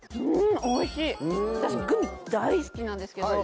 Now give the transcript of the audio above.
私グミ大好きなんですけど。